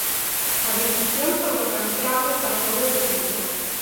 A discusión sobre o castrapo pasou ao público.